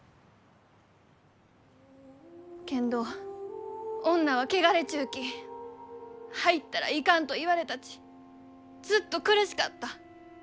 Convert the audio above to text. けんど「女は汚れちゅうき入ったらいかん」と言われたちずっと苦しかった。